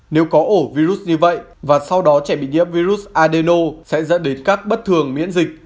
nếu có ổ virus như vậy và sau đó trẻ bị nhiễm virus adeno sẽ dẫn đến các bất thường miễn dịch